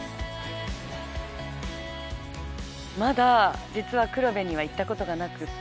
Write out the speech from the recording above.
まだ実は黒部には行ったことがなくって。